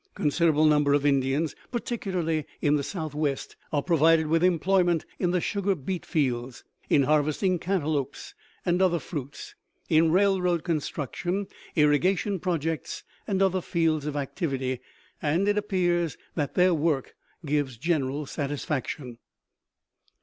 Considerable numbers of Indians, particularly in the Southwest, are provided with employment in the sugar beet fields, in harvesting canteloupes and other fruits, in railroad construction, irrigation projects, and other fields of activity, and it appears that their work gives general satisfaction.